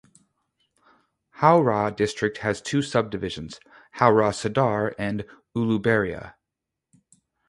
Howrah district has two subdivisions: Howrah Sadar and Uluberia.